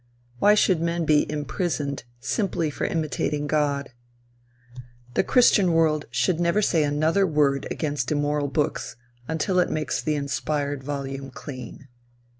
Why should men be imprisoned simply for imitating God? The christian world should never say another word against immoral books until it makes the inspired volume clean.